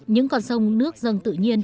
những con sông nước dân tự nhiên